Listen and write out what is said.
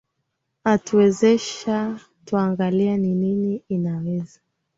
atuwezesha tuangalie ni nini inaweza